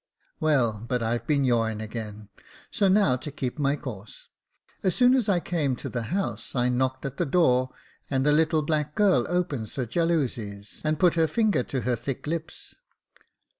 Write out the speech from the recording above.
" Well, but I've been yawing again, so now to keep my course. As soon as I came to the house I knocked at the door, and a little black girl opens the jalousies, and put her finger to her thick lips.